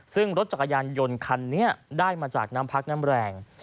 ซึ่งรถจักรยานยนต์คันนี้ได้มาจากน้ำพักน้ำแรง